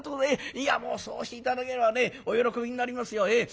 いやもうそうして頂ければねお喜びになりますよ。